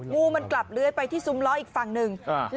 งูมันกลับเลื้อยไปที่ซุ้มล้ออีกฝั่งหนึ่ง